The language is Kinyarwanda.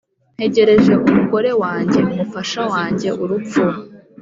ntegereje umurongo wanjye, umufasha wanjye urupfu.